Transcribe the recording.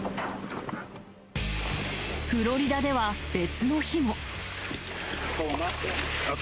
フロリダでは別の日も。